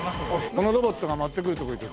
このロボットが持ってくるとこに。